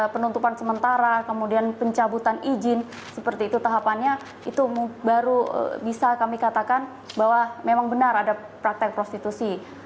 penutupan sementara kemudian pencabutan izin seperti itu tahapannya itu baru bisa kami katakan bahwa memang benar ada praktek prostitusi